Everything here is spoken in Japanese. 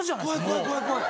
・怖い怖い怖い